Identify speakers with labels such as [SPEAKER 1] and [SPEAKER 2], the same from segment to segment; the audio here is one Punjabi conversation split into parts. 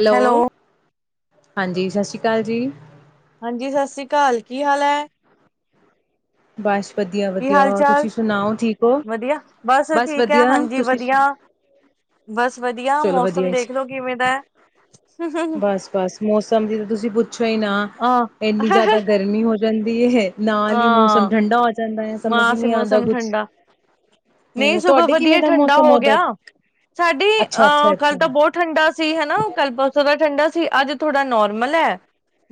[SPEAKER 1] ਹੈਲੋ ਹਾਂਜੀ, ਸਤ ਸ੍ਰੀ ਕਾਲ ਜੀ।
[SPEAKER 2] ਹਾਂਜੀ ਸਤਿ ਸ੍ਰੀ ਅਕਾਲ ਕੀ ਹਾਲ ਹੈ?
[SPEAKER 1] ਬਸ। ਵਧੀਆ
[SPEAKER 2] ਕੀ
[SPEAKER 1] ਵਧੀਆ।
[SPEAKER 2] ਹਾਲ ਚਾਲ
[SPEAKER 1] ਤੁਸੀਂ ਸੁਣਾਓ, ਠੀਕ ਹੋ?
[SPEAKER 2] ਵਧੀਆ
[SPEAKER 1] ਬਸ
[SPEAKER 2] ਠੀਕ ਹੈ
[SPEAKER 1] ਵਧੀਆ
[SPEAKER 2] ਹਾਂਜੀ
[SPEAKER 1] ਤੁਸੀਂ
[SPEAKER 2] ਵਧੀਆ
[SPEAKER 1] ਸੁਣ
[SPEAKER 2] ਬਸ ਵਧੀਆ
[SPEAKER 1] ਚਲੋ, ਵਧੀਆ
[SPEAKER 2] ਮੌਸਮ
[SPEAKER 1] ਜੀ।
[SPEAKER 2] ਦੇਖਲੋ ਕਿਵੇਂ ਦਾ ਹੈ
[SPEAKER 1] ਬਸ- ਬਸ ਮੌਸਮ ਦੀ ਤਾਂ ਤੁਸੀਂ ਪੁੱਛੋ ਹੀ ਨਾ,
[SPEAKER 2] ਆਹ
[SPEAKER 1] ਇੰਨੀ ਜ਼ਿਆਦਾ ਗਰਮੀ ਹੋ ਰਿੰਦੀਏ ਹੈ। ਨਾਲ ਹੀ ਮੌਸਮ
[SPEAKER 2] ਹਾਂ
[SPEAKER 1] ਠੰਢਾ ਹੋ ਜਾਂਦਾ ਹੈ, ਸਮਝ ਹੀ
[SPEAKER 2] ਮਾਸ
[SPEAKER 1] ਨਹੀਂ ਆਉਂਦਾ
[SPEAKER 2] ਮੌਸਮ
[SPEAKER 1] ਕੁਛ,
[SPEAKER 2] ਠੰਡਾ ਨਹੀਂ
[SPEAKER 1] ਹੂੰ
[SPEAKER 2] ਸਗੋਂ
[SPEAKER 1] ਤੁਹਾਡੇ ਕਿਵੇਂ
[SPEAKER 2] ਵਧੀਆ
[SPEAKER 1] ਦਾ
[SPEAKER 2] ਠੰਡਾ
[SPEAKER 1] ਮੌਸਮ
[SPEAKER 2] ਹੋ
[SPEAKER 1] ਉਧਰ?
[SPEAKER 2] ਗਿਆ ਸਾਡੀ ਅਹ, ਕੱਲ੍ਹ ਤਾਂ
[SPEAKER 1] ਅੱਛਾ-ਅੱਛਾ-ਅੱਛਾ,
[SPEAKER 2] ਬਹੁਤ ਠੰਡਾ ਸੀ। ਹਨਾ ਕੱਲ ਬਹੁਤ ਜ਼ਿਆਦਾ ਠੰਡਾ ਸੀ ਅੱਜ ਥੋੜਾ ਨੋਰਮਲ ਹੈ।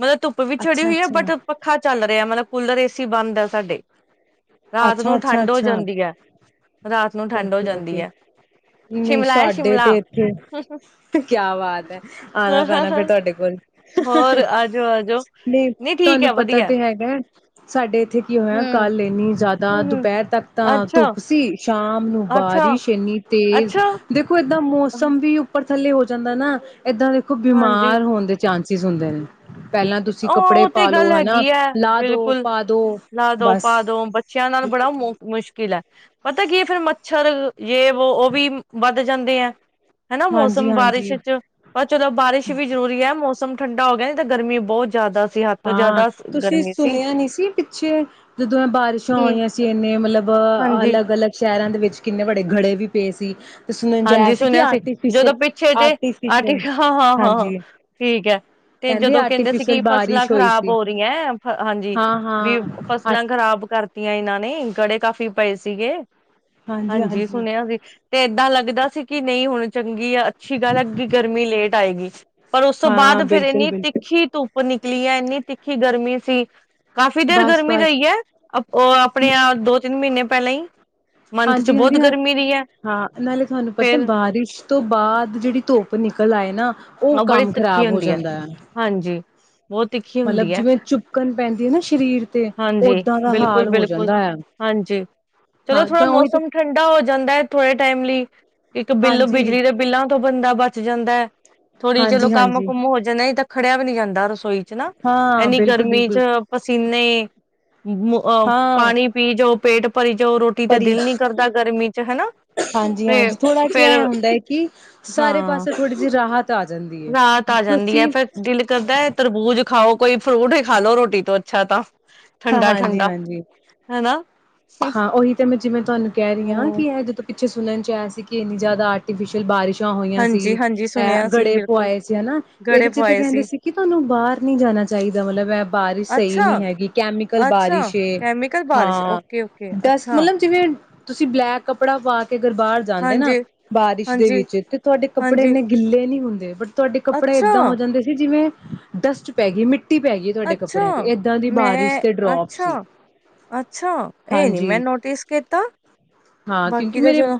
[SPEAKER 2] ਮਤਲਬ ਧੁੱਪ ਵੀ ਛੜੀ ਹੋਈ ਹੈ,
[SPEAKER 1] ਅੱਛਾ-ਅੱਛਾ,
[SPEAKER 2] ਬਟ ਪੱਖਾ ਚੱਲ ਰਿਹਾ, ਮਤਲਬ ਕੂਲਰ, ਏਸੀ ਬੰਦ ਹੈ, ਸਾਡੇ। ਰਾਤ
[SPEAKER 1] ਅੱਛਾ,
[SPEAKER 2] ਨੂੰ
[SPEAKER 1] ਅੱਛਾ,
[SPEAKER 2] ਠੰਡ ਹੋ
[SPEAKER 1] ਅੱਛਾ,
[SPEAKER 2] ਜਾਂਦੀ ਹੈ ਰਾਤ ਨੂੰ ਠੰਡ ਹੋ
[SPEAKER 1] ਓਕੇ,
[SPEAKER 2] ਜਾਂਦੀ
[SPEAKER 1] ਓਕੇ।
[SPEAKER 2] ਹੈ
[SPEAKER 1] ਨਹੀਂ,
[SPEAKER 2] ਸ਼ਿਮਲਾ ਹੈ
[SPEAKER 1] ਸਾਡੇ
[SPEAKER 2] ਸ਼ਿਮਲਾ
[SPEAKER 1] ਤੇ ਇੱਥੇ। ਕਿਆ ਬਾਤ ਹੈ, ਆਣਾ ਪੈਣਾ ਫਿਰ ਤੁਹਾਡੇ ਕੋਲ,
[SPEAKER 2] ਹੋਰ ਆਜੋ ਆਜੋ
[SPEAKER 1] ਨਹੀਂ
[SPEAKER 2] ਠੀਕ
[SPEAKER 1] ਤੁਹਾਨੂੰ
[SPEAKER 2] ਹੈ
[SPEAKER 1] ਪਤਾ
[SPEAKER 2] ਵਧੀਆ।
[SPEAKER 1] ਤੇ ਹੈਗਾ ਸਾਡੇ ਇੱਥੇ ਕੀ ਹੋਇਆ,
[SPEAKER 2] ਹੂੰ
[SPEAKER 1] ਕੱਲ ਐਣੀ ਜ਼ਿਆਦਾ
[SPEAKER 2] ਹੂੰ
[SPEAKER 1] ਦੁਪਹਿਰ ਤੱਕ ਤਾਂ
[SPEAKER 2] ਅੱਛਾ
[SPEAKER 1] ਧੁੱਪ ਸੀ। ਸ਼ਾਮ ਨੂੰ
[SPEAKER 2] ਅੱਛਾ
[SPEAKER 1] ਬਾਰਿਸ਼ ਇੰਨੀ ਤੇਜ਼,
[SPEAKER 2] ਅੱਛਾ
[SPEAKER 1] ਦੇਖੋ। ਦਾ ਮੌਸਮ ਵੀ ਉੱਪਰ ਥੱਲੇ ਹੋ ਜਾਂਦਾ ਨਾ। ਏਦਾਂ ਦੇਖੋ
[SPEAKER 2] ਹਾਂਜੀ
[SPEAKER 1] ਬਿਮਾਰ ਹੋਣ ਦੇ ਚਾਂਸ ਚੀਜ਼ ਹੁੰਦੇ ਨੇ। ਪਹਿਲਾਂ ਤੁਸੀਂ
[SPEAKER 2] ਉਹ
[SPEAKER 1] ਕੱਪੜੇ
[SPEAKER 2] ਉਹ ਤੇ ਗੱਲ
[SPEAKER 1] ਪਾਲੋ, ਹਨਾ,
[SPEAKER 2] ਹੈਗੀ ਹੈ
[SPEAKER 1] ਲਾਹ ਦੋ,
[SPEAKER 2] ਬਿਲਕੁਲ
[SPEAKER 1] ਪਾ ਦੋ,
[SPEAKER 2] ਲਾ ਦੋ
[SPEAKER 1] ਬਸ।
[SPEAKER 2] ਪਾ ਦੋ ਬੱਚਿਆਂ ਨਾਲ ਬੜਾ ਮੋ ਮੁਸ਼ਕਿਲ ਪਤਾ ਕੀ ਫਰ ਮੱਛਰ, ਜੇ ਵੋ, ਉਹ ਵੀ ਵੱਧ ਜਾਂਦੇ ਹੈ। ਹਨਾ
[SPEAKER 1] ਹਾਂਜੀ
[SPEAKER 2] ਮੌਸਮ
[SPEAKER 1] ਹਾਂਜੀ
[SPEAKER 2] ਬਾਰਿਸ਼ ਚ, ਬਸ ਚਲੋ ਬਾਰਿਸ਼ ਵੀ ਜ਼ਰੂਰੀ ਹੈ, ਮੌਸ ਮੌਸਮ ਠੰਡਾ ਹੋ ਗਿਆ, ਨਹੀ ਤਾਂ ਗਰਮੀ ਬਹੁਤ ਜ਼ਿਆਦਾ ਸੀ ਹੱਦ ਤੋਂ
[SPEAKER 1] ਹਾਂ,
[SPEAKER 2] ਜ਼ਿਆਦਾ
[SPEAKER 1] ਤੁਸੀਂ
[SPEAKER 2] ਗਰਮੀ
[SPEAKER 1] ਸੁਣਿਆ ਨਹੀਂੀ ਸੀ। ਪਿੱਛੇ ਜਦੋਂ ਇਹ ਬਾਰਿਸ਼ਾਂ
[SPEAKER 2] ਕੀ
[SPEAKER 1] ਹੋਈਆਂ ਸੀ, ਇੰਨੇ ਮਤਲਬ
[SPEAKER 2] ਹਾਂਜੀ
[SPEAKER 1] ਅਲੱਗ- ਅਲੱਗ ਸ਼ਹਿਰਾਂ ਦੇ ਵਿੱਚ ਕਿੰਨੇ ਬੜੇ ਗੜੇ ਵੀ ਪੇਸੀ।
[SPEAKER 2] ਹਾਂਜੀ, ਸੁਣਿਆ ਸੀ। ਜਦੋਂ ਪਿੱਛੇ ਜ ਆਟੀ
[SPEAKER 1] ਆਰਟੀਫਿਸ਼ਲ
[SPEAKER 2] ਹਾਂ ਹਾਂ
[SPEAKER 1] ਹਾਂਜੀ
[SPEAKER 2] ਠੀਕ ਹੈ, ਤੇ ਜਦੋਂ ਕਹਿੰਦੇ ਸੀ
[SPEAKER 1] ਆਰਟੀਫਿਸ਼ਲ
[SPEAKER 2] ਕਿ ਫਸਲਾਂ
[SPEAKER 1] ਬਾਰਿਸ਼ ਹੋਈ
[SPEAKER 2] ਖ਼ਰਾਬ
[SPEAKER 1] ਸੀ
[SPEAKER 2] ਹੋ ਰਹੀਆਂ। ਹਾਂਜੀ,
[SPEAKER 1] ਹਾਂ ਹਾਂ
[SPEAKER 2] ਵੀ
[SPEAKER 1] ਅ
[SPEAKER 2] ਫਸਲਾਂ ਖਰਾਬ ਕਰਤੀਆਂ। ਇਹਨਾਂ ਨੇ ਗੜੇ ਕਾਫੀ ਪਏ ਸੀਗੇ। ਹਾਂਜੀ ਸੁਣਿਆ ਸੀ। ਤੇ ਏਦਾਂ ਲੱਗ ਦਾ ਸੀ ਕਿ ਨਹੀਂ ਹੁਣ ਚੰਗੀ ਆ ਅੱੀ ਗੱਲ ਲੱਗੀ। ਗਰਮੀ ਲੇਟ ਆਏਗੀ, ਪਰ ਉਸ ਤੋਂ
[SPEAKER 1] ਹਾਂ
[SPEAKER 2] ਬਾਅਦ ਫੇਿਰ
[SPEAKER 1] ਬਿਲਕੁਲ
[SPEAKER 2] ਇਹਨੀ
[SPEAKER 1] ਬਿਲਕੁਲ
[SPEAKER 2] ਤਿੱਖੀ ਧੁੱਪ ਨ ਲੀਆਂ ਇੰਨੀ ਤਿੱਖੀ ਗਰਮੀ ਸੀ। ਕਾਫ਼ੀ ਦੇਰ
[SPEAKER 1] ਬਸ
[SPEAKER 2] ਗਰਮੀ
[SPEAKER 1] ਬਸ
[SPEAKER 2] ਰਹੀ ਹੈ। ਉਹ ਆਪਣੇ ਆਪ ਦੋ ਤਿੰਨ ਮਹੀਨੇ ਪਲ [unintelligible] ਮੰਥ ਚ
[SPEAKER 1] ਹਾਂਜੀ
[SPEAKER 2] ਬਹੁਤ
[SPEAKER 1] ਹਾਂਜੀ ਹਾਂ
[SPEAKER 2] ਗਰਮੀ ਦੀ ਹੈ
[SPEAKER 1] ਹਾਂ ਨਾਲੇ ਤੁਹਾਨੂੰ ਪਤਾ
[SPEAKER 2] ਫੇਰ
[SPEAKER 1] ਬਾਰਿਸ਼ ਤੋਂ ਬਾਅਦ ਜਿਹੜੀ ਧੁੱਪ ਨਹੀਂ ਕਲ ਆਏ ਨਾ ਉਹ
[SPEAKER 2] ਬੜੀ
[SPEAKER 1] ਕੰਮ
[SPEAKER 2] ਤਿੱਖੀ
[SPEAKER 1] ਖ਼ਰਾਬ ਹੋ
[SPEAKER 2] ਹੁੰਦੀ ਹੈ
[SPEAKER 1] ਜਾਂਦਾ ਆ
[SPEAKER 2] ਹਾਂਜੀ, ਬਹੁਤ ਤਿੱਖੀ
[SPEAKER 1] ਮਤਲਬ
[SPEAKER 2] ਹੁੰਦੀ ਹੈ।
[SPEAKER 1] ਜਿਵੇਂ ਚੁਪਕਣ ਪੈਂਦੀ ਹੈ ਨਾ ਸਰੀਰ ਤੇ ਓਦਾਂ ਦਾ ਹਾਲ ਹੋ ਜਾਂਦਾ ਹੈ ਹਾਂ ਤਾਂ ਉਹੀ ਤੇ
[SPEAKER 2] ਇੱਕ ਬਿੱਲ
[SPEAKER 1] ਹਾਂਜੀ
[SPEAKER 2] ਬਿਜਲੀ ਦੇ ਬਿੱਲਾਂ ਤੋਂ ਬੰਦਾ ਬਚ ਜਾਂਦਾ ਹੈ। ਥੋੜ੍ਹੀ ਜਲੋ
[SPEAKER 1] ਹਾਂਜੀ
[SPEAKER 2] ਕੰਮ
[SPEAKER 1] ਹਾਂਜੀ
[SPEAKER 2] ਖੜਿਆ ਵ ਹਨਾ
[SPEAKER 1] ਹਾਂ
[SPEAKER 2] ਐਨੀ
[SPEAKER 1] ਬਿਲਕੁਲ
[SPEAKER 2] ਗਰਮੀ ਚ
[SPEAKER 1] ਬਿਲਕੁਲ
[SPEAKER 2] ਪਸੀਨੇ
[SPEAKER 1] ਹਾਂ
[SPEAKER 2] ਹੁ ਪੇਟ ਭਰੀ ਜਾਓ ਰੋਟੀ ਤੇ
[SPEAKER 1] ਪਰੀ
[SPEAKER 2] ਦਿਲ ਨੀ ਕਰਦਾ ਗਰਮੀ ਚ ਹਨਾ। ਤੇ ਫੇਰ ਹਾਂ।
[SPEAKER 1] ਆ ਜਾਂਦੀ ਹੈ
[SPEAKER 2] ਰਾਤ ਆ ਜਾਂਦੀ ਹੈ
[SPEAKER 1] ਤੁਸੀਂ
[SPEAKER 2] ਫੇਰ ਦਿਲ ਕਰਦਾ ਤਰਬੂਜ ਕੋਈ ਫਰੂਟ ਹੈ ਖਾ ਲੋ ਰੋਟੀ ਤੋਂ ਅੱਛਾ ਤਾਂ
[SPEAKER 1] ਹਾਂ
[SPEAKER 2] ਠੰਡਾ
[SPEAKER 1] ਹਾਂਜੀ
[SPEAKER 2] ਠੰਡਾ
[SPEAKER 1] ਹਾਂਜੀ
[SPEAKER 2] ਹਨਾ
[SPEAKER 1] ਹਾਂ
[SPEAKER 2] ਹੂੰ,
[SPEAKER 1] ਅੱਛੇ ਸੁਣਨ ਚ ਹੋਈਆਂ ਸੀ।
[SPEAKER 2] ਹਾਂਜੀ-ਹਾਂਜੀ ਸੁਣਿਆ ਸੀ ਬਿਲਕੁਲ, ਗੜੇ ਪਵਾਏ ਸੀ। ਅੱਛਾ-ਅੱਛਾ, ਕੈਮੀਕਲ ਬਾਰਿਸ਼ ਓਕੇ-ਓਕੇ
[SPEAKER 1] ਡਸਟ
[SPEAKER 2] ਅੱਛਾ,
[SPEAKER 1] ਮਤਲਬ ਜਿਵੇਂ [unintelligible] ਅਗਰ ਬਾਹਰ ਜਾਂਦੇ ਨਾ
[SPEAKER 2] ਹਾਂਜੀ।
[SPEAKER 1] ਬਾਰਿਸ਼ ਦੇ ਵਿੱਚ
[SPEAKER 2] ਹਾਂਜੀ-ਹਾਂਜੀ,
[SPEAKER 1] ਤੇ ਤੁਹਾਡੇ ਕੱਪੜੇ
[SPEAKER 2] ਅੱਛਾ-ਅੱਛਾ,
[SPEAKER 1] ਡਸਟ ਪੈ ਗਈ ਮਿੱਟੀ ਕੁੱਤੀ ਪੈ ਗਈ ਤੁਹਾਡੇ ਕੱਪੜਿਆਂ ਤੇ ਏਦਾਂ ਦੀ ਬਾਰਿਸ਼
[SPEAKER 2] ਮੈਂ
[SPEAKER 1] ਤੇ ਡਰੋਪ ਸੀ
[SPEAKER 2] ਅੱਛਾ-ਅੱਛਾ, ਇਹ ਨੀ ਮੈਂ
[SPEAKER 1] ਹਾਂਜੀ
[SPEAKER 2] ਨੋਟਿਸ ਕੀਤਾ
[SPEAKER 1] ਹਾਂ ਕਿਉਂਕਿ
[SPEAKER 2] ਬਾਕੀ ਤਾਂ
[SPEAKER 1] ਮੇਰੇ
[SPEAKER 2] ਚਲੋ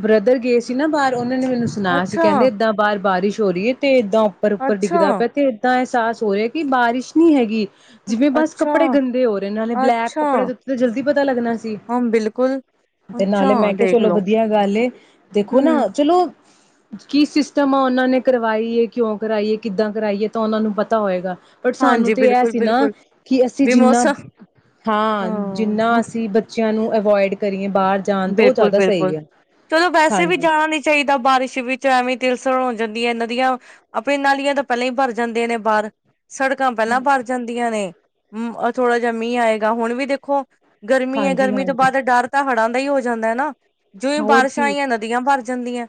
[SPEAKER 1] ਬ੍ਰਦਰ ਗਏ ਸੀ ਨਾ ਬਾਹਰ ਉਹਨਾਂ ਨੇ ਮੈਨੂੰ ਸੁਣਾਇਆ ਸੀ ਕਹਿੰਦੇ ਏਦਾਂ ਬਾਰ ਬਾਰਸ਼ ਚੋਰੀਏ ਤੇ ਇੱਦਾਂ ਉਪਰ ਉਪਰ ਡਿੱਗਦਾ
[SPEAKER 2] ਅੱਛਾ-ਅੱਛਾ,
[SPEAKER 1] ਪਿਆ ਤੇ ਏਦਾਂ ਹੈ [unintelligible] ਕਿ ਜਿਵੇਂ ਬਸ ਕੱਪੜੇ ਗੰਦੇ ਹੋ ਰਹੇ ਇਹਨਾਂ ਨੇ ਬਲੈਕ
[SPEAKER 2] ਅੱਛਾ-ਅੱਛਾ,
[SPEAKER 1] ਕੱਪੜੇ ਜਲਦੀ ਪਤਾ ਲੱਗਣਾ ਸੀ
[SPEAKER 2] ਹਾਂ ਬਿਲਕੁਲ,
[SPEAKER 1] ਤੇ
[SPEAKER 2] ਅੱਛਾ
[SPEAKER 1] ਨਾਲੇ ਮੈਂ ਕਿਹਾ ਚਲੋ
[SPEAKER 2] ਦੇਖਲੋ,
[SPEAKER 1] ਵਧੀਆ ਗੱਲ ਦੇਖੋ ਨਾ
[SPEAKER 2] ਹੂੰ,
[SPEAKER 1] ਚਲੋ। ਕੀ ਸਿਸਟਮ ਆ ਉਹਨਾਂ ਨੇ ਕਰਵਾਈਏ ਕਿਉਂ ਕਰਈਏ ਕਿੱਦਾਂ ਕਰਾਈਏ ਤਾਂ ਉਹਨਾਂ ਨੂੰ ਪਤਾ ਹੋਏਗਾ। ਪਰ ਸਾਨੂੰ
[SPEAKER 2] ਹਾਂਜੀ
[SPEAKER 1] ਤੇ ਇਹ ਸੀ ਨਾ
[SPEAKER 2] ਬਿਲਕੁਲ-ਬਿਲਕੁਲ,
[SPEAKER 1] ਕਿ ਅਸੀਂ
[SPEAKER 2] ਵੀ
[SPEAKER 1] ਜਿੰਨਾ
[SPEAKER 2] ਮੌਸਮ
[SPEAKER 1] ਹਾਂ ਜਿੰਨਾ
[SPEAKER 2] ਹਾਂ,
[SPEAKER 1] ਅਸੀਂ ਬੱਚਿਆਂ ਨੂੰ ਅਵੋਇਡ ਕਰੀਏ ਬਾਹਰ ਜਾਣ ਤੋਂ ਉਹ ਜ਼ਿਆਦਾ
[SPEAKER 2] ਬਿਲਕੁਲ-ਬਿਲਕੁਲ।
[SPEAKER 1] ਸਹੀ ਹੈ
[SPEAKER 2] ਚਲੋ ਵੈਸੇ ਵੀ
[SPEAKER 1] ਹਾਂਜੀ।
[SPEAKER 2] ਜਾਣਾ ਨੀ ਚਾਹੀਦਾ ਬਾਰਿਸ਼ ਵਿੱਚ ਐਵੇਂ ਤਿਲਸਣ ਹੋ ਜਾਂਦੀ ਹੈ ਨਦੀਆਂ ਆਪਣੀ ਨਾਲੀਆਂ ਤਾਂ ਪਹਿਲਾਂ ਹੀ ਭਰ ਜਾਂਦੇਆਂ ਨੇ ਬਾਹਰ। ਸੜਕਾਂ ਪਹਿਲਾਂ ਭਰ ਜਾਂਦੀਆਂ ਨੇ। ਥੋੜਾ ਜਿਹਾ ਮੀਂਹ ਆਏਗਾ ਹੁਣ ਵੀ ਦੇਖੋ। ਗਰਮੀ ਹੈ
[SPEAKER 1] ਹਾਂਜੀ,
[SPEAKER 2] ਗਰਮੀ ਤੋਂ
[SPEAKER 1] ਹਾਂਜੀ
[SPEAKER 2] ਬਾਅਦ ਡਰ ਤਾਂ ਹੜ੍ਹਾਂ ਹੀ ਹੋ ਜਾਂਦਾ ਨਾ। ਜਿਵੇਂ
[SPEAKER 1] ਹੋਰ
[SPEAKER 2] ਬਾਰਿਸ਼
[SPEAKER 1] ਕੀ
[SPEAKER 2] ਆਈਆਂ ਨਦੀਆਂ ਭਰ ਜਾਂਦੀਆਂ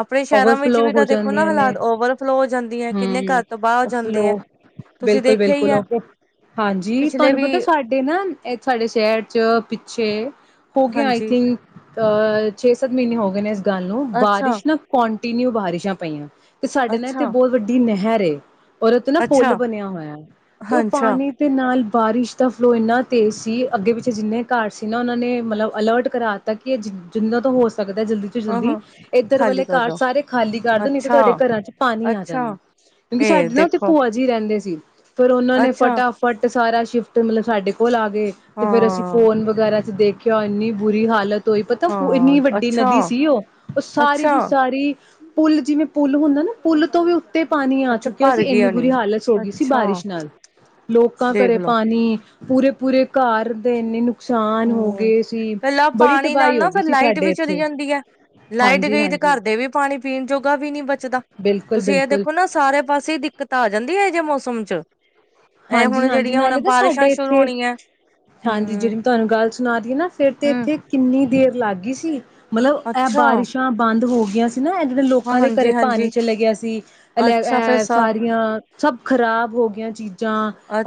[SPEAKER 2] ਆਪਣੇ ਸ਼ਹਿਰਾਂ ਵਿੱਚ
[SPEAKER 1] ਓਵਰਫਲੋ
[SPEAKER 2] ਵੀ
[SPEAKER 1] ਹੋ
[SPEAKER 2] ਤਾਂ ਦੇਖੋ ਨਾ
[SPEAKER 1] ਜਾਂਦੀਆਂ ਨੇ
[SPEAKER 2] ਹਾਲਾਤ ਓਵਰਫਲੋ ਹੋ ਜਾਂਦੀ ਹੈ ਕਿੰਨੇ ਘਰ ਤਬਾਹ ਹੋ ਜਾਂਦੇ ਹੈ। ਤੁਸੀਂ
[SPEAKER 1] ਬਿਲਕੁਲ
[SPEAKER 2] ਦੇਖਿਆ ਹੀ
[SPEAKER 1] ਬਿਲਕੁਲ
[SPEAKER 2] ਹੈ
[SPEAKER 1] ਉਹ ਹਾਂਜੀ
[SPEAKER 2] ਪਿਛਲੇ
[SPEAKER 1] ਤੁਹਾਨੂੰ
[SPEAKER 2] ਵੀ
[SPEAKER 1] ਪਤਾ ਸਾਡੇ ਨਾ ਇਹ ਸਾਡੇ ਸ਼ਹਿਰ ਚ ਪਿੱਛੇ ਹੋ ਗਿਆ ਆਈ
[SPEAKER 2] ਹਾਂਜੀ
[SPEAKER 1] ਥਿੰਕ ਅ ਛੇ-ਸੱਤ ਮਹੀਨੇ ਹੋ ਗਏ ਨੇ ਗੱਲ ਨੂੰ
[SPEAKER 2] ਅੱਛਾ
[SPEAKER 1] ਬਾਰਿਸ਼ ਨਾ ਕੰਟੀਨਿਊ ਬਾਰਿਸ਼ਾਂ ਪਈਆਂ। ਤੇ ਸਾਡੇ ਨਾ ਤੇ
[SPEAKER 2] ਅੱਛਾ
[SPEAKER 1] ਬਹੁਤ ਵੱਡੀ ਨਹਿਰ ਤੇ ਔਰਤ ਨਾ ਪੁਲ
[SPEAKER 2] ਅੱਛਾ
[SPEAKER 1] ਬਣਿਆ ਹੋਇਆ ਤੇ ਉਹ
[SPEAKER 2] ਅੱਛਾ
[SPEAKER 1] ਪਾਣੀ ਦੇ ਨਾਲ ਬਾਰਿਸ਼ ਦਾ ਫਲੋ ਇੰਨਾ ਤੇਜ਼ ਸੀ ਅੱਗੇ ਪਿੱਛੇ ਜਿੰਨੇ ਘਰ ਸੀ ਨਾ ਉਹਨਾਂ ਨੇ ਮਤਲਬ ਅਲਰਟ ਕਰਾ ਦਿੱਤਾ ਕਿ ਇਹ ਜਿ ਜਿੰਨਾਂ ਤੋਂ ਹੋ ਸਕ ਸਕਦਾ ਜਲਦੀ ਤੋਂ
[SPEAKER 2] ਹਾਂ
[SPEAKER 1] ਜਲਦੀ
[SPEAKER 2] ਹਾਂ
[SPEAKER 1] ਇੱਧਰ ਵਾਲੇ
[SPEAKER 2] ਖਾਲੀ ਕਰ
[SPEAKER 1] ਘਰ
[SPEAKER 2] ਦੋ
[SPEAKER 1] ਸਾਰੇ ਖਾਲੀ ਕਰ ਦਦੇ ਤੇ
[SPEAKER 2] ਅੱਛਾ
[SPEAKER 1] ਤੁਹਾਡੇ ਘਰਾਂ ਚ ਪਾਣੀ ਆ
[SPEAKER 2] ਅੱਛਾ,
[SPEAKER 1] ਜਾਣਾ ਕਿਉਂਕਿ
[SPEAKER 2] ਇਹ
[SPEAKER 1] ਸਾਡੇ ਨਾ ਉੱਥੇ
[SPEAKER 2] ਦੇਖੋ,
[SPEAKER 1] ਭੂਆ ਜੀ ਰਹਿੰਦੇ ਸੀ ਫੇਿਰ ਉਹਨਾਂ ਨੇ
[SPEAKER 2] ਅੱਛਾ,
[SPEAKER 1] ਫਟਾਫਟ ਸਾਰਾ ਸ਼ਿਫਟ ਮਤਲਬਡੇ ਕੋਲ ਆ ਤੇ ਫਿਰ ਅਸੀਂ
[SPEAKER 2] ਹਾਂ,
[SPEAKER 1] ਫੋਨ ਵਗੈਰਾ ਚ ਦੇਖ ਕਿਉਂ ਇੰਨੀ ਬੁਰੀ ਹਾਲਤ ਤੋਂ ਹੀ ਪਤਾ
[SPEAKER 2] ਹਾਂ,
[SPEAKER 1] ਇੰਨੀ ਵੱਡੀ
[SPEAKER 2] ਅੱਛਾ,
[SPEAKER 1] ਨਦੀ ਸੀ ਉਹ ਉਹ ਸਾਰੀ
[SPEAKER 2] ਅੱਛਾ,
[SPEAKER 1] ਦੀ ਪੁਲ ਜਿਵੇਂ, ਪੁਲ ਹੁੰਦਾ ਨਾ ਪੁੱਲ ਤੋਂ ਵੀ ਤੇ ਪਾਣੀ ਆ
[SPEAKER 2] ਅੱਛਾ
[SPEAKER 1] ਚੁੱਕਿਆ ਸੀ
[SPEAKER 2] ਭਰ
[SPEAKER 1] ਇੰਨੀ
[SPEAKER 2] ਗਿਆ ਨੀ।
[SPEAKER 1] ਬੁਰੀ ਹਾਲਤ ਸੋ ਗਈ ਸੀ
[SPEAKER 2] ਅੱਛਾ,
[SPEAKER 1] ਬਾਰਿਸ਼ ਨਾਲ, ਲੋਕਾਂ ਘਰੇ
[SPEAKER 2] ਦੇਖਲੋ,
[SPEAKER 1] ਪਾਣੀ ਪੂਰੇ ਪੂਰੇ ਘਰ ਦੇ ਇੰਨੇ ਨੁ ਨੁਕਸਾਨ ਹੋ
[SPEAKER 2] ਹੂੰ,
[SPEAKER 1] ਗਏ ਸੀ,
[SPEAKER 2] ਕੱਲਾ
[SPEAKER 1] ਬੜੀ
[SPEAKER 2] ਪਾਣੀ ਨਾਲ
[SPEAKER 1] ਤਬਾਹੀ ਹੋ
[SPEAKER 2] ਨਾ
[SPEAKER 1] ਗਈ
[SPEAKER 2] ਫਿਰ
[SPEAKER 1] ਸੀ,
[SPEAKER 2] ਲਾਈਟ
[SPEAKER 1] ਸਾਡੇ
[SPEAKER 2] ਵੀ
[SPEAKER 1] ਇੱਥੇ ਹਾਂਜੀ ਹਾਂਜੀ
[SPEAKER 2] ਡੇ ਵੀ ਪਾਣੀ ਪੀਣ ਜੋਗਾ ਵੀ ਨੀ ਬਚਦਾ,
[SPEAKER 1] ਬਿਲਕੁਲ
[SPEAKER 2] ਤੁਸੀਂ ਇਹ
[SPEAKER 1] ਬਿਲਕੁਲ
[SPEAKER 2] ਦੇਖੋ ਨਾ ਸਾਰੇ ਪਾਸੇ ਦਿੱਕਤ ਆ ਜਾਂਦੀ ਹੈ, ਮੌਸਮ ਚ ਇਹ ਹੁਣ
[SPEAKER 1] ਹਾਂਜੀ-ਹਾਂਜੀ
[SPEAKER 2] ਜਿਹੜੀਆਂ ਹੁਣ
[SPEAKER 1] ਨਾਲੇ ਤਾਂ
[SPEAKER 2] ਬਾਰਿਸ਼ਾਂ
[SPEAKER 1] ਸਾਡੇ
[SPEAKER 2] ਸ਼ੁਰੂ
[SPEAKER 1] ਇੱਥੇ
[SPEAKER 2] ਹੋਣੀਆਂ
[SPEAKER 1] ਹਾਂਜੀ,
[SPEAKER 2] ਹੂੰ,
[SPEAKER 1] ਜਿਹੜੀ ਤੁਹਾਨੂੰ ਗੱਲ ਸੁਣਾ ਦੀਏ ਨਾ ਫੇਰ ਤੇ
[SPEAKER 2] ਹੂੰ,
[SPEAKER 1] ਇੱਥੇ ਕਿੰਨੀ ਦੇਰ ਲਾਗ ਗਈ ਸੀ ਮਤਲਬ ਇਹ
[SPEAKER 2] ਅੱਛਾ,
[SPEAKER 1] ਬਾਰਿਸ਼ਾਂ ਬੰਦ ਹੋ ਗਈ ਨਾ ਇਦ
[SPEAKER 2] ਹਾਂ,
[SPEAKER 1] ਲੋਕਾਂ ਦੇ ਘਰੇ
[SPEAKER 2] ਹਾਂਜੀ,
[SPEAKER 1] ਪਾਣੀ
[SPEAKER 2] ਹਾਂਜੀ,
[SPEAKER 1] ਚਲੇ ਗਿਆ ਸੀ, ਅ
[SPEAKER 2] ਅੱਛਾ ਫਿਰ
[SPEAKER 1] ਅਹ
[SPEAKER 2] ਸ
[SPEAKER 1] ਸਾਰੀਆਂ ਸਭ ਖ਼ਰਾਬ ਹੋ ਗਆਂ ਚੀ ਜਾਂ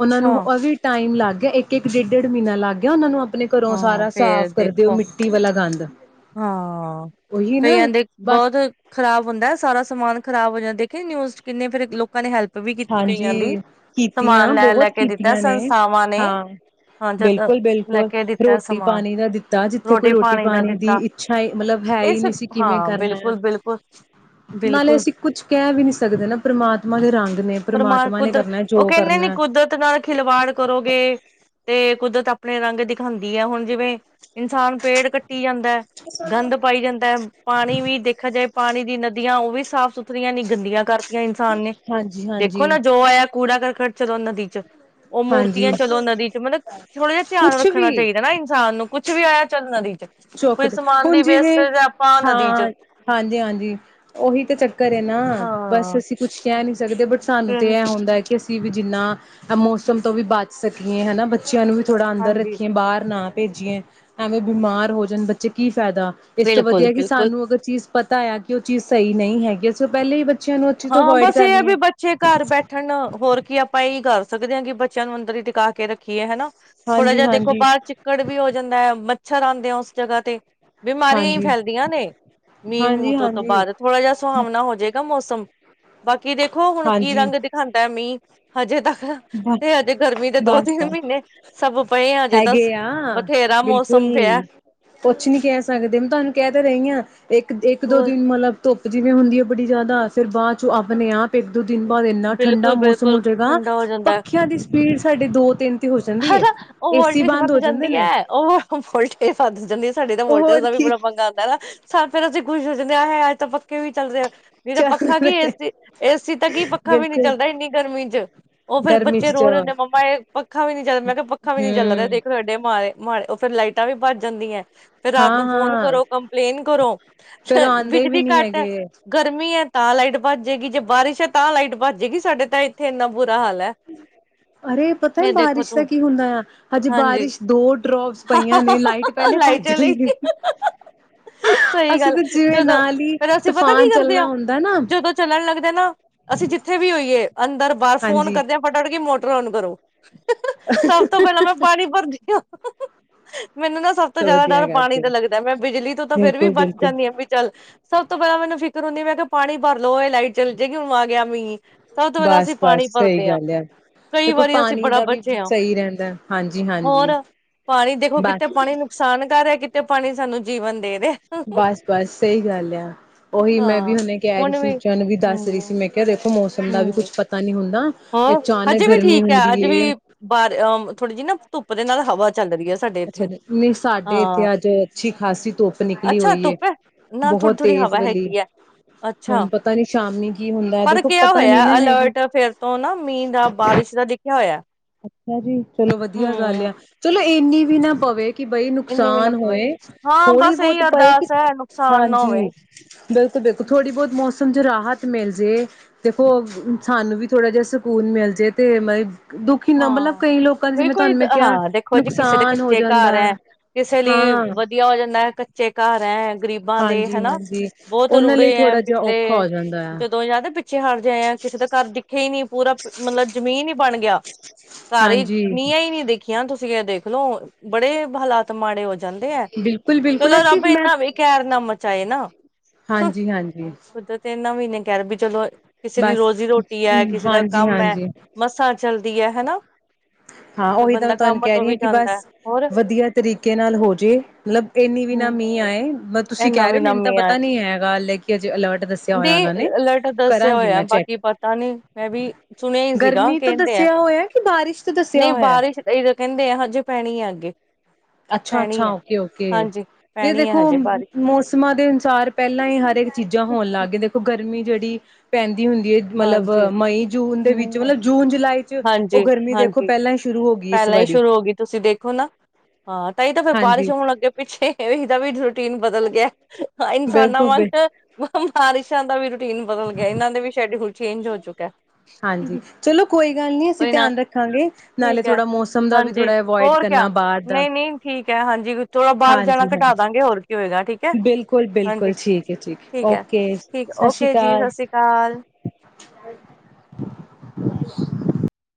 [SPEAKER 1] ਉਹਨਾਂ ਨੂੰ ਉਸੀ ਟਾਈਮ ਲੱਗ ਗ ਇੱਕ ਇੱਕ ਡੇਢ ਡੇਢ ਮਹੀਨਾ ਲੱਗ ਗਿਆ ਉਹਨਾਂ ਨੂੰ ਆਪਣੇ ਘਰੋਂ
[SPEAKER 2] ਹਾਂ
[SPEAKER 1] ਸਾਰਾ
[SPEAKER 2] ਫੇਰ
[SPEAKER 1] ਸਾਫ਼ ਕਰਦੇ ਹੋ
[SPEAKER 2] ਦੇਖੋ
[SPEAKER 1] ਮਿੱਟੀ ਵਾਲਾ ਗੰਦ
[SPEAKER 2] ਹਾਂ,
[SPEAKER 1] ਉਹੀ ਨਾ
[SPEAKER 2] ਕਇਆ ਦੇ
[SPEAKER 1] ਬਾ
[SPEAKER 2] ਬਹੁਤ ਖਰਾਬ ਹੁੰਦਾ ਸਾਰਾ ਸਮਾਨ ਖਰਾਬ ਹੋ ਜਾਣਾ ਦੇਖੇ ਨਿਊਜ਼ ਚ ਕਿੰਨੇ ਫੇਰ ਲੋਕਾਂ ਨੇ ਹੈਲਪ ਵੀ ਕੀਤੀ ਗਈਆਂ ਦੀ
[SPEAKER 1] ਹਾਂਜੀ ਕੀਤੀਆਂ
[SPEAKER 2] ਸਮਾਨ ਲੈ-ਲੈ
[SPEAKER 1] ਬਹੁਤ
[SPEAKER 2] ਕੇ ਦਿੱਤਾ
[SPEAKER 1] ਕੀਤੀਆਂ ਨੇ
[SPEAKER 2] ਸੰਸਥਾਵਾਂ ਨੇ
[SPEAKER 1] ਹਾਂ
[SPEAKER 2] ਹਾਂ ਜ ਲੈ
[SPEAKER 1] ਬਿਲਕੁਲ-ਬਿਲਕੁਲ
[SPEAKER 2] ਕੇ ਦਿੱਤਾ
[SPEAKER 1] ਰੋਟੀ
[SPEAKER 2] ਸਮਾਨ
[SPEAKER 1] ਪਾਣੀ ਦਾ ਦਿੱਤਾ ਜਿੱਥੇ ਕੋਈ ਰੋਟੀ ਪਾਣੀ ਦੀ ਇੱਛਾ ਮਤਲਬ ਹੈ ਹੀ
[SPEAKER 2] ਇਸ
[SPEAKER 1] ਨਹੀਂ ਸੀ ਕਿਵੇਂ
[SPEAKER 2] ਹਾਂ
[SPEAKER 1] ਕਰਨਾ
[SPEAKER 2] ਬਿਲਕੁਲ ਬਿਲਕੁਲ
[SPEAKER 1] ਨਾਲੇ
[SPEAKER 2] ਬਿਲਕੁਲ
[SPEAKER 1] ਅਸੀਂ ਕੁਛ ਕਹਿ ਵੀ ਨਹੀਂ ਸਕਦੇ ਨਾ ਪਰਮਾਤਮਾ ਦੇ ਰੰਗ ਨੇ
[SPEAKER 2] ਪਰਮਾ
[SPEAKER 1] ਪਰਮਾਤਮਾ ਨੇ
[SPEAKER 2] ਕੁਦਰਤ
[SPEAKER 1] ਕਰਨਾ
[SPEAKER 2] ਉਹ
[SPEAKER 1] ਜੋ
[SPEAKER 2] ਕਹਿੰਦੇ ਨੀ
[SPEAKER 1] ਕਰਨਾ।
[SPEAKER 2] ਕੁਦਰਤ ਨਾਲ ਖਿਲਵਾੜ ਕਰੋਗੇ ਤੇ ਕੁਦਰਤ ਆਪਣੇ ਰੰਗ ਖਾਂਦੀ ਹੈ ਹੁਣ ਜਿਵੇਂ ਇਨਸਾਨ ਪੇੜ ਕੱਟੀ ਜਾਂਦੀ ਗੰਦ ਪਾਈ ਜਾਂਦਾ, ਪਾਣੀ ਵੀ ਦੇਖਿਆ ਜਾਏ ਪਾਣੀ ਦੀ ਨਦੀਆਂ ਉਹ ਵੀ ਸਾਫ ਸੁਥਰੀਆਂ ਨਹੀਂ ਗੰਦੀਆਂ ਕਰ ਇਹ ਇਨਸਾਨ ਨੇ ਦੇਖੋ
[SPEAKER 1] ਹਾਂਜੀ-ਹਾਂਜੀ,
[SPEAKER 2] ਨਾ, ਜੋ ਆਇਆ ਕੂੜਾ ਕਰ ਚਲੋ ਨਦੀ ਚ ਉਹ
[SPEAKER 1] ਹਾਂਜੀ
[SPEAKER 2] ਮੂਰਤੀਆਂ
[SPEAKER 1] ਹਾਂਜੀ,
[SPEAKER 2] ਚਲੋ ਨਦੀ ਚ ਮਤਲਬ ਥੋੜਾ ਜਿਹਾ ਧਿਆਨ
[SPEAKER 1] ਕੁਛ
[SPEAKER 2] ਰੱਖ ਹੋਣਾ
[SPEAKER 1] ਵੀ
[SPEAKER 2] ਚਾਹੀਦਾ ਨਾ ਇਨਸਾਨ ਨੂੰ ਕੁੱਛ ਵੀ ਆਇਆ ਚੱਲ ਨਦੀ ਚ ਕੋਈ
[SPEAKER 1] ਚੁਕਦੇ
[SPEAKER 2] ਸਮਾਨ
[SPEAKER 1] ਹੁਣ
[SPEAKER 2] ਦੀ
[SPEAKER 1] ਜਿਵੇਂ
[SPEAKER 2] ਵੇਸਟੇਜ ਆਪਾਂ ਨਦੀ ਚ
[SPEAKER 1] ਹਾਂਜੀ ਹਾਂਜੀ ਉਹੀ ਤਾਂ ਚੱਕਰ ਹ ਹਾਂ, ਬਸ ਅਸੀਂ ਕੁਝ ਕਹਿ ਨਹੀਂ ਸਕਦੇ ਬਟ ਸਾਨੂੰ ਤੇ ਇਹ ਹੁੰਦਾ ਕਿ ਅਸੀਂ ਵੀ ਜਿੰਨਾ ਮੌਸਮ ਤੋਂ ਵੀ ਬਚ ਸਕੀਏ ਹਨਾ, ਬੱਚਿਆਂ ਨੂੰ ਵੀ ਥੋੜਾ ਅੰਦਰ
[SPEAKER 2] ਹਾਂਜੀ
[SPEAKER 1] ਰੱਖੀਆਂ ਬਾਹਰ ਨਾ ਐਵੇਂ ਬਿਮਾਰ ਹੋ ਬੱਚੇ ਕੀ ਫਾਇਦਾ ਇਸ ਤੋਂ
[SPEAKER 2] ਬਿਲਕੁਲ
[SPEAKER 1] ਵਧੀਆ ਕਿ
[SPEAKER 2] ਬਿਲਕੁਲ
[SPEAKER 1] ਸਾਨੂੰ ਅਗਰ ਚੀਜ਼ ਪਤਾ ਹੈ ਕਿ ਉਹ ਚੀਜ਼ ਸਹੀ ਨਹੀਂ ਹੈਗੀ ਪਹਿਲੇ ਹੀ ਬ
[SPEAKER 2] ਹਾਂ, ਬਸ ਇਹ ਹੈ ਵੀ ਬੱਚੇ ਘਰ ਬੈਠਣ ਹੋਰ ਕੀ ਆਪਾਂ ਇਹੀ ਗੱਲ ਸਕਦੇ ਹਾਂ। ਕਿ ਬੱਚਿਆਂ ਨੂੰ ਅੰਦਰ ਹੀ ਟਿਕਾ ਕੇ ਰੱਖੀਏ ਹਨਾ। ਥੋੜਾ
[SPEAKER 1] ਹਾਂਜੀ
[SPEAKER 2] ਜਿਹਾ ਦੇਖੋ
[SPEAKER 1] ਹਾਂਜੀ
[SPEAKER 2] ਬਾਹਰ ਚਿੱਕੜ ਵੀ ਹੋ ਜਾਂਦਾ ਹੈ। ਮੱਛਰ ਆਉਂਦੇ ਆ ਉਸ ਜਗ੍ਹਾ ਤੇ ਬਿਮਾਰੀਆਂ ਹੀ
[SPEAKER 1] ਹਾਂਜੀ
[SPEAKER 2] ਫੈਲਦੀਆਂ ਨੇ, ਮੀਂਹ ਮੂੰਹ
[SPEAKER 1] ਹਾਂਜੀ
[SPEAKER 2] ਤੋਂ ਤੋਂ ਬਾਅਦ
[SPEAKER 1] ਹਾਂਜੀ
[SPEAKER 2] ਥੋੜਾ ਜਿਹਾ ਸੁਹਾਵਣਾ ਹੋਜਏਗਾ ਮੌਸਮ ਬਾਕੀ ਕੀ ਦੇਖੋ ਹੁਣ ਕੀ
[SPEAKER 1] ਹਾਂਜੀ
[SPEAKER 2] ਰੰਗ ਦਿਖਾਉਂਦਾ ਮੀਂਹ ਹਜੇ ਤਾਂ ਤੇ
[SPEAKER 1] ਬਸ
[SPEAKER 2] ਹਜੇ ਗਰਮੀ ਦੇ ਦੋ
[SPEAKER 1] ਬਸ
[SPEAKER 2] ਤਿੰਨ
[SPEAKER 1] ਬਸ
[SPEAKER 2] ਮਹੀਨੇ ਸਭ ਪਏ ਆ ਹਜੇ ਤਾਂ
[SPEAKER 1] ਹੈਗੇ ਆ
[SPEAKER 2] ਬਥੇਰਾ
[SPEAKER 1] ਬਿਲਕੁਲ
[SPEAKER 2] ਮੌਸਮ ਪਿਆ
[SPEAKER 1] ਰਹੀਆਂ ਇੱਕ ਇੱਕ ਦੋ
[SPEAKER 2] ਹੋਰ
[SPEAKER 1] ਦਿਨ ਮਲ ਧੁੱਪ ਜਿਵੇਂ ਹੁੰਦੀ ਹੈ, ਬੜੀ ਜ਼ਿਆਦਾ ਫਿਰ ਬਾਅਦ ਚੋਂ ਆਪਣੇ ਆਪ ਇੱਕ ਦੂ ਦਿਨ ਬਾਅਦ ਇੰਨਾ ਠੰਡਾ ਮੌਸਮ ਹੋ ਜਾਏਗਾ
[SPEAKER 2] ਹਨ ਨਾ
[SPEAKER 1] ਪੱਖਿਆਂ ਦੀ ਸਪੀਡ ਸਾਡੇ ਦੋ ਤਿੰਨ ਤੇ ਹੋ ਜਾਂਦੀ ਹੈ
[SPEAKER 2] ਉਹ
[SPEAKER 1] ਏਸੀ
[SPEAKER 2] ਵੋਲਟੇਜ
[SPEAKER 1] ਬੰਦ
[SPEAKER 2] ਵੱਧ
[SPEAKER 1] ਹੋ ਜਾਂਦੇ
[SPEAKER 2] ਜਾਂਦੀ
[SPEAKER 1] ਨੇ
[SPEAKER 2] ਹੈ ਉਹ ਵੋਲਟੇਜ ਵੱਧ ਜਾਂਦੀ ਸਾਡੇ ਤਾਂ
[SPEAKER 1] ਉਹ
[SPEAKER 2] ਵੋਲਟੇਜ
[SPEAKER 1] ਹੋਰ
[SPEAKER 2] ਦਾ ਵੀ
[SPEAKER 1] ਕੀ
[SPEAKER 2] ਬੜਾ ਪੰਗਾ ਆਉਂਦਾ ਹੈ ਨਾ ਸਾਨੂੰ ਫੇਰ ਅਸੀਂ ਗੁਸਦੇ ਆ ਹੈ ਅਜ ਤਾਂ ਪੱਕੇ ਵੀ ਚੱਲਦੇ ਆ ਵੀ ਤਾਂ
[SPEAKER 1] ਚੱਲ
[SPEAKER 2] ਪੱਖਾ ਕੀ ਏਸੀ ਏਸੀ ਤਾਂ ਕੀ ਪਾ ਵੀ ਨਹੀਂ
[SPEAKER 1] ਬਿਲਕੁਲ
[SPEAKER 2] ਚੱਲਦਾ ਇਨੀ ਗਰਮੀ ਚ ਉਹ ਫਿਰ
[SPEAKER 1] ਗਰਮੀ
[SPEAKER 2] ਬੱਚੇ
[SPEAKER 1] ਚ ਚ
[SPEAKER 2] ਰੋ ਰਹੇ ਹੁੰਦੇ ਮਮਾ ਪੱਖਾ ਵੀ ਨਹੀਂ ਜਾਂਦਾ ਮੈਂ ਕਿਹਾ ਪੱਖਾ ਵੀ ਨਹੀਂ ਚੱਲ ਰਿਹਾ
[SPEAKER 1] ਹਮ
[SPEAKER 2] ਦੇਖ ਸਾਡੇ ਫਿਰ ਲਾਈਟਾਂ ਵੀ ਵੱਜ ਜਾਂਦੀਆਂ। ਤੇ ਰਾਤ
[SPEAKER 1] ਹਾਂ
[SPEAKER 2] ਨੂੰ ਫੋਨ
[SPEAKER 1] ਹਾਂ
[SPEAKER 2] ਕਰੋ ਕੰਪਲੇਨ ਕਰੋ
[SPEAKER 1] ਫੇਰ ਆਉਂਦੇ ਵੀ
[SPEAKER 2] ਬਿਜਲੀ
[SPEAKER 1] ਨੀ
[SPEAKER 2] ਘੱਟ
[SPEAKER 1] ਹੈਗੇ
[SPEAKER 2] ਗਰਮੀ ਐ। ਤਾਂ ਲਾਈਟ ਭਾਜੇਗੀ ਜੇ ਬਾਰਿਸ਼ ਹੈ, ਤਾਂ ਲਾਈਟ ਭਾਜੇਗੀ ਸਾਡੇ ਤਾਂ ਇੱਥੇ ਐਨਾ
[SPEAKER 1] ਅਰੇ ਪਤਾ
[SPEAKER 2] ਮੈਂ ਦੇਖੋ
[SPEAKER 1] ਬਾਰਿਸ਼ ਦਾ
[SPEAKER 2] ਤੂੰ
[SPEAKER 1] ਕੀ ਹੁੰਦਾ ਆਹਜੇ
[SPEAKER 2] ਹਾਂਜੀ
[SPEAKER 1] ਬਾਰਿਸ਼ ਦੋ ਡਰੋਪਸ ਪਈਆਂ ਨੇ ਲਾਈਟ
[SPEAKER 2] ਹਾਂ
[SPEAKER 1] ਪਹਿਲੇ
[SPEAKER 2] ਲਾਈਟ
[SPEAKER 1] ਫਜ
[SPEAKER 2] ਚਲੀ
[SPEAKER 1] ਜਾਂਦੀ।
[SPEAKER 2] ਗਈ ਸਹੀ
[SPEAKER 1] ਅਸੀਂ
[SPEAKER 2] ਗੱਲ
[SPEAKER 1] ਤਾਂ ਜਿਵੇਂ
[SPEAKER 2] ਜਦੋਂ
[SPEAKER 1] ਨਾਲ ਹੀ
[SPEAKER 2] ਫੇਰ ਅਸੀਂ
[SPEAKER 1] ਤੂਫਾਨ ਚੱਲਣਾ ਹੁੰਦਾ ਨਾ
[SPEAKER 2] ਹੈਨਾ। ਜਿਥੇ ਵੀ ਹੋਈਏ ਅੰਦਰ ਬਾਹਰ ਫੋਨ
[SPEAKER 1] ਹਾਂਜੀ
[SPEAKER 2] ਕਰਦੇ ਆ। ਫਟਾਫਟ ਕਿ ਮੋਟਰ ਔਨ ਕਰੋ। ਸਭ ਤੋਂ ਪਹਿਲਾਂ ਮੈਂ ਪਾਣੀ ਭਰਦੀ ਹਾਂ। ਮੈਨੂੰ ਨਾ ਸਭ ਤੋਂ
[SPEAKER 1] ਤਾਂ
[SPEAKER 2] ਜ਼ਿਆਦਾ
[SPEAKER 1] ਵਧੀਆ
[SPEAKER 2] ਡਰ ਪਾਣੀ
[SPEAKER 1] ਕਰਦੇ
[SPEAKER 2] ਦਾ
[SPEAKER 1] ਆ,
[SPEAKER 2] ਲੱਗਦਾ ਮੈਂ ਬਿਜਲੀ ਤੋਂ ਤਾਂ ਫੇਰ ਵੀ
[SPEAKER 1] ਬਿਲਕੁਲ
[SPEAKER 2] ਬਚ
[SPEAKER 1] ਬਿਲਕੁਲ
[SPEAKER 2] ਜਾਣੀ ਆ ਵੀ ਚੱਲ ਸਭ ਤੋਂ ਪਹਿਲਾਂ ਮੈਨੂੰ ਫਿ ਫ਼ਿਕਰ ਹੁੰਦੀ ਮੈਂ ਕਿਹਾ ਪਾਣੀ ਭਰਲੋ ਇਹ ਲਾਈਟ ਚਲ ਜਾਏਗੀ ਹੁਣ ਆ ਗਿਆ ਮੀਹ। ਸਭ ਤੋਂ ਪਹਿਲਾਂ ਅਸੀਂ
[SPEAKER 1] ਬਸ
[SPEAKER 2] ਪਾਣੀ
[SPEAKER 1] ਬਸ ਸਹੀ
[SPEAKER 2] ਭਰਦੇ ਆ
[SPEAKER 1] ਗੱਲ
[SPEAKER 2] ਕਈ
[SPEAKER 1] ਦੇਖੋ
[SPEAKER 2] ਵਾਰੀ ਅਸੀਂ
[SPEAKER 1] ਪਾਣੀ
[SPEAKER 2] ਬੜਾ
[SPEAKER 1] ਦਾ ਵੀ
[SPEAKER 2] ਬਚੇ ਆ।
[SPEAKER 1] ਸਹੀ ਰਹਿੰਦਾ ਹਾਂਜੀ
[SPEAKER 2] ਹੋਰ
[SPEAKER 1] ਹਾਂਜੀ
[SPEAKER 2] ਪਾਣੀ ਦੇਖੋ ਕਿਤੇ
[SPEAKER 1] ਬਸ
[SPEAKER 2] ਪਾਣੀ ਨੁਕਸਾਨ ਕਰ ਰਿਹਾ ਕਿਤੇ ਤੇ ਪਾਣੀ ਸਾਨੂੰ ਜੀਵਨ ਦੇ। ਰਿਹਾ।
[SPEAKER 1] ਬਸ ਬਸ ਸਹੀ ਗੱਲ ਆ ਓਹੀ ਮੈਂ
[SPEAKER 2] ਹਾਂ
[SPEAKER 1] ਵੀ ਹੁਣੇ ਕਹਿ ਰਹੀ
[SPEAKER 2] ਹੁਣ
[SPEAKER 1] ਸੀ ਬੱਚਿਆਂ ਨੂੰ ਵੀ ਦੱਸ ਰਹੀ ਸੀ
[SPEAKER 2] ਹੂੰ
[SPEAKER 1] ਮੈਂ ਕਿਹਾ ਦੇਖੋ ਮੌਸਮ ਦਾ ਵੀ ਕੁਛ ਪਤਾ ਨੀ। ਹੁੰਦਾ।
[SPEAKER 2] ਹਾਂ, ਅੱਜ
[SPEAKER 1] ਅਚਾਨਕ
[SPEAKER 2] ਵੀ
[SPEAKER 1] ਗਰਮੀ
[SPEAKER 2] ਠੀਕ ਐ
[SPEAKER 1] ਹੁੰਦੀ
[SPEAKER 2] ਅੱਜ
[SPEAKER 1] ਏ
[SPEAKER 2] ਵੀ ਬਾਹਰ ਅ ਥੋੜੀ ਜਿਹੀ ਨਾ, ਧੁੱਪ ਦੇ ਨਾਲ ਹਵਾ। ਚੱਲ ਰਹੀ ਹੈ ਸਾਡੇ
[SPEAKER 1] ਅੱਛਾ
[SPEAKER 2] ਇੱਥੇ
[SPEAKER 1] ਨਹੀਂ ਸਾਡੇ
[SPEAKER 2] ਹਾਂ
[SPEAKER 1] ਇੱਥੇ ਅੱਜ ਅੱਛੀ ਖਾਸੀ ਧੁੱਪ ਨਿਕਲੀ
[SPEAKER 2] ਅੱਛਾ
[SPEAKER 1] ਹੋਈ,
[SPEAKER 2] ਧੁੱਪ ਹੈ ਨਾਲ
[SPEAKER 1] ਬਹੁਤ
[SPEAKER 2] ਥੋੜ੍ਹੀ ਥੋੜ੍ਹੀ
[SPEAKER 1] ਤੇਜ਼
[SPEAKER 2] ਹਵਾ
[SPEAKER 1] ਵਾਲੀ
[SPEAKER 2] ਹੈਗੀ ਹੈ
[SPEAKER 1] ਹੁਣ
[SPEAKER 2] ਅੱਛਾ
[SPEAKER 1] ਪਤਾ ਨੀ ਸ਼ਾਮੀ ਕੀ ਹੁੰਦਾ ਹੈ,
[SPEAKER 2] ਪਰ
[SPEAKER 1] ਦੇਖੋ
[SPEAKER 2] ਕਿਹਾ
[SPEAKER 1] ਪਤਾ ਨੀ
[SPEAKER 2] ਹੋਇਆ
[SPEAKER 1] ਨਾ ਹੈਗੀ।
[SPEAKER 2] ਅਲਰਟ ਫੇਰ ਤੋਂ ਨਾ ਮੀਂਹ ਦਾ ਬਾਰਿਸ਼ ਦਾ ਲਿਖਿਆ ਹੋਇਆ।
[SPEAKER 1] ਅੱਛਾ ਜੀ। ਚਲੋ ਵਧੀਆ ਗੱਲ
[SPEAKER 2] ਹੂੰ
[SPEAKER 1] ਆ ਚਲੋ। ਇੰਨੀ ਵੀ ਨਾ ਪਵੇ। ਕਿ ਬਈ
[SPEAKER 2] ਇੰਨੀ ਵੀ ਨਾ
[SPEAKER 1] ਨੁਕਸਾਨ
[SPEAKER 2] ਪਵੇ
[SPEAKER 1] ਹੋਏ
[SPEAKER 2] ਹਾਂ
[SPEAKER 1] ਥੋੜ੍ਹੀ
[SPEAKER 2] ਬਸ ਇਹੀ
[SPEAKER 1] ਬਹੁਤ ਪਏ ਕਿ
[SPEAKER 2] ਅਰਦਾਸ ਹੈ ਨੁਕਸਾਨ ਨਾ
[SPEAKER 1] ਹਾਂਜੀ
[SPEAKER 2] ਹੋਵੇ
[SPEAKER 1] ਬਿਲਕੁਲ ਬਿਲਕੁਲ। ਥੋੜ੍ਹੀ ਬਹੁਤ ਮੌਸਮ ਚ ਰਾਹਤ ਮਿਲ ਜੇ ਦੇਖੋ ਸਾਨੂੰ ਵੀ ਥੋੜਾ ਜਿਹਾ ਸਕੂਨ ਮਿਲ ਜੇ ਤੇ ਮ
[SPEAKER 2] ਹਾਂ, ਬਿਲਕੁਲ
[SPEAKER 1] ਕਿਹਾ
[SPEAKER 2] ਹਾਂ ਦੇਖੋ ਜੀ ਕਿਸੇ ਦੇ
[SPEAKER 1] ਨੁਕਸਾਨ ਹੋ
[SPEAKER 2] ਕੱਚੇ ਘਰ
[SPEAKER 1] ਜਾਂਦਾ
[SPEAKER 2] ਐ ਕਿਸੇ ਲਈ
[SPEAKER 1] ਹਾਂ।
[SPEAKER 2] ਵਧੀਆ ਹੋ ਜਾਂਦਾ ਕੱਚੇ ਘਰ ਐ ਗ਼ਰੀਬਾਂ ਦੇ ਹਨਾ
[SPEAKER 1] ਹਾਂਜੀ-ਹਾਂਜੀ
[SPEAKER 2] ਬਹੁਤ
[SPEAKER 1] ਉਹਨਾਂ ਲਈ
[SPEAKER 2] ਰੁੜੇ ਐ
[SPEAKER 1] ਥੋੜਾ ਜਿਹਾ
[SPEAKER 2] ਪਿਛਲੇ
[SPEAKER 1] ਔਖਾ ਹੋ ਜਾਂਦਾ ਆ।
[SPEAKER 2] ਜਦੋਂ ਯਾਦ ਐ ਪਿੱਛੇ ਹੜ ਜਾਏ ਆ ਕਿਸੇ ਤਾਂ ਘਰ ਦਿਖਿਆ ਹੀ ਨਹੀਂ। ਪੂਰਾ ਮਤਲਬ ਜਮੀਨ ਹੀ ਬਣ ਗਿਆ। ਘਰ ਹੀ
[SPEAKER 1] ਹਾਂਜੀ
[SPEAKER 2] ਮੀਹ ਹੀ ਨਹੀਂੀ ਦੇਖੀ। ਖੀਆਂ ਤੁਸੀਂ ਇਹ ਦੇਖਲੋ ਬੜੇ ਹਾਲਾਤ ਮਾੜੇ ਹੋ ਜਾਂਦੇ ਐ,
[SPEAKER 1] ਬਿਲਕੁਲ-ਬਿਲਕੁਲ
[SPEAKER 2] ਚਲੋ
[SPEAKER 1] ਅਸੀਂ
[SPEAKER 2] ਰੱਬ
[SPEAKER 1] ਮੈਂ
[SPEAKER 2] ਐਨਾ ਵੀ ਕਹਿਰ ਨਾ ਮਚਾਏ ਨਾ ਹਾਂ,
[SPEAKER 1] ਹਾਂਜੀ-ਹਾਂਜੀ
[SPEAKER 2] ਓਦਾ ਤੇ। ਐਨਾ ਵੀ ਨਹੀਂ ਕਹਿਰ ਵੀ ਚਲੋ। ਕਿਸੇ ਦੀ
[SPEAKER 1] ਬਸ
[SPEAKER 2] ਰੋਜ਼ੀ ਰੋਟੀ ਐ। ਕਿਸੇ ਦਾ ਕੰਮ ਐ,
[SPEAKER 1] ਹਾਂਜੀ-ਹਾਂਜੀ
[SPEAKER 2] ਮੱਸਾਂ ਚੱਲ
[SPEAKER 1] ਹਾਂ ਉਹੀ ਤਾਂ ਮੈਂ ਤੁਹਾਨੂੰ
[SPEAKER 2] ਕੰਮ
[SPEAKER 1] ਕਹਿ
[SPEAKER 2] ਤੋਂ
[SPEAKER 1] ਰਹੀ ਹਾਂ
[SPEAKER 2] ਵੀ
[SPEAKER 1] ਕਿ
[SPEAKER 2] ਜਾਂਦਾ
[SPEAKER 1] ਬਸ
[SPEAKER 2] ਹੈ ਹੋਰ
[SPEAKER 1] ਵਧੀਆ ਤਰੀਕੇ ਨਾਲ ਹੋਜੇ ਮਤਲਬ ਇਨੀ ਵੀ ਨਾ ਮੀਂਹ
[SPEAKER 2] ਹੂੰ,
[SPEAKER 1] ਆਏ ਮ
[SPEAKER 2] ਇਹ
[SPEAKER 1] ਤੁਸੀਂ ਕਹਿ ਰਹੇ ਹੋ ਮੈਨੂੰ ਤਾਂ
[SPEAKER 2] ਨਵੀਂ-ਨਵੀਂ ਆਏ
[SPEAKER 1] ਪਤਾ ਨੀ ਹੈਗਾ ਗੱਲ ਹੈ। ਕਿ ਅਜੇ ਅਲਰਟ ਦੱਸਿਆ
[SPEAKER 2] ਦੀ
[SPEAKER 1] ਹੋਇਆ ਉਹਨਾਂ ਨੇ।
[SPEAKER 2] ਅਲਰਟ ਦੱਸਿਆ
[SPEAKER 1] ਕਰਾਂਗੀ
[SPEAKER 2] ਹੋਇਆ
[SPEAKER 1] ਮੈਂ ਚੈੱਕ
[SPEAKER 2] ਬਾਕੀ ਪਤਾ ਨੀ ਮੈਂ ਵੀ ਸੁਣਿਆ ਹੀ ਸੀਗਾ
[SPEAKER 1] ਗਰਮੀ ਤੋਂ
[SPEAKER 2] ਕਹਿੰਦੇ ਆ
[SPEAKER 1] ਦੱਸਿਆ ਬਾਰਿਸ਼ ਤੋਂ ਦੱਸਿਆ
[SPEAKER 2] ਨਹੀਂ
[SPEAKER 1] ਹੋਇਆ
[SPEAKER 2] ਬਾਰਿਸ਼ ਇਹ ਕਹਿੰਦੇ ਆ ਹਜੇ ਪੈਣੀ ਆ ਅੱਗੇ।
[SPEAKER 1] ਅੱਛਾ
[SPEAKER 2] ਪੈਣੀ
[SPEAKER 1] ਅੱਛਾ
[SPEAKER 2] ਆ
[SPEAKER 1] ਓਕੇ ਓਕੇ
[SPEAKER 2] ਹਾਂਜੀ
[SPEAKER 1] ਇਹ
[SPEAKER 2] ਪੈਣੀ
[SPEAKER 1] ਦੇਖੋ
[SPEAKER 2] ਆ ਹਜੇ ਬਾਰਿਸ਼
[SPEAKER 1] ਮੌਸਮਾਂ ਦੇ ਅਨੁਸਾਰ ਪਹਿਲਾਂ ਹੀ ਹਰੇਕ ਚੀਜ਼ਾਂ ਹੋਣ ਲੱਗ ਗਏ ਦੇਖੋ ਗਰਮੀ ਜਿਹੜੀ ਪੈਂਦੀ ਹੁੰਦੀ ਹੈ ਮਤਲਬ
[SPEAKER 2] ਹਾਂਜੀ
[SPEAKER 1] ਮਈ ਜੂਨ ਦੇ ਵਿੱਚ
[SPEAKER 2] ਹੂੰ,
[SPEAKER 1] ਮਤਲਬ ਜੂਨ ਜੁਲਾਈ ਚ ਉਹ ਗਰਮੀ ਦੇਖੋ
[SPEAKER 2] ਹਾਂਜੀ-ਹਾਂਜੀ
[SPEAKER 1] ਪਹਿਲਾਂ ਹੀ ਸ਼ੁਰੂ ਹੋ ਗਈ ਇਸ
[SPEAKER 2] ਪਹਿਲਾਂ ਹੀ
[SPEAKER 1] ਵਾਰੀ
[SPEAKER 2] ਸ਼ੁਰੂ ਹੋ ਗਈ ਤੁਸੀਂ ਦੇਖੋ ਨਾ ਹਾਂ ਤਾਂ ਇਹ ਤਾਂ ਫੇਿਰ
[SPEAKER 1] ਹਾਂਜੀ
[SPEAKER 2] ਬਾਰਿਸ਼ ਹੋਣ ਲੱਗੇ ਪਿੱਛੇ ਇਹਹੀ ਤਾਂ ਵੀ ਨ ਬਦਲ ਗਿਆ ਇਨਸਾਨਾਂ
[SPEAKER 1] ਬਿਲਕੁਲ
[SPEAKER 2] ਵਾਂਗ
[SPEAKER 1] ਬਿਲ
[SPEAKER 2] ਬਾਰਿਸ਼ਾਂ ਦਾ ਵੀ ਦੀਨ ਬਦਲ ਗਿਆ ਇਹਨਾਂ ਦੇ ਵਿ ਸ਼ੇਡਿਊਲ ਚੇਂਜ ਹੋ ਚੁੱਕਾ ਹੈ।
[SPEAKER 1] ਹਾਂਜੀ ਚਲੋ ਕੋਈ ਗੱਲ ਨੀ ਅਸੀਂ
[SPEAKER 2] ਨਾ
[SPEAKER 1] ਧਿਆਨ ਰੱਖਾਂਗੇ ਨਾਲੇ
[SPEAKER 2] ਠੀਕ ਹੈ
[SPEAKER 1] ਥੋੜਾ ਮੌਸਮ ਦਾ ਵੀ
[SPEAKER 2] ਹਾਂਜੀ
[SPEAKER 1] ਥੋੜ੍ਹਾ ਅਵੋਇਡ
[SPEAKER 2] ਹੋਰ ਕਿਆ
[SPEAKER 1] ਕਰਨਾ ਬਾਹਰ ਦਾ।
[SPEAKER 2] ਨਹੀਂ ਨਹੀਂ ਠੀਕ ਹੈ ਹਾਂਜੀ ਥੋੜਾ ਬਾਹਰ ਜਾਣਾ
[SPEAKER 1] ਹਾਂਜੀ
[SPEAKER 2] ਘਟਾ ਦਾਂਗੇ ਹੋਰ ਕੀ ਹੋਏਗਾ ਠੀਕ ਹੈ
[SPEAKER 1] ਹਾਂਜੀ ਬਿਲਕੁਲ ਬਿਲਕੁਲ
[SPEAKER 2] ਹਾਂਜੀ
[SPEAKER 1] ਠੀਕ ਹੈ ਠੀਕ
[SPEAKER 2] ਹੈ
[SPEAKER 1] ਓਕੇ
[SPEAKER 2] ਠੀਕ
[SPEAKER 1] ਸਤਿ ਸ਼੍ਰੀ
[SPEAKER 2] ਓਕੇ ਜੀ
[SPEAKER 1] ਅਕਾਲ।
[SPEAKER 2] ਸਤਿ ਸ੍ਰੀ ਅਕਾਲ